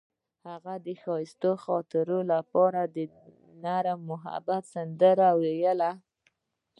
هغې د ښایسته خاطرو لپاره د نرم محبت سندره ویله.